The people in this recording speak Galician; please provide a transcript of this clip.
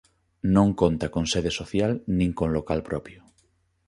Non conta con sede social nin con local propio.